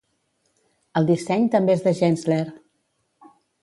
El disseny també és de Gensler.